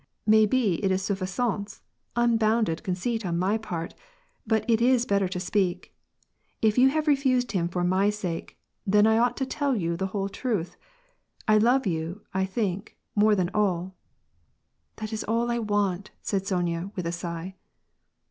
May be it is suffisance, unbounded con ceit on my part, but it is better to speak. If you have re fused him for my sake, then I ought to tell you the whole truth. I love you, I think, more than all "—" That is all I want," said Sonya, with a sigh.